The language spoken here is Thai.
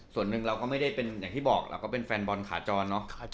ส่วนหนึ่งเราก็ไม่ได้เป็นแฟนบอลขาจร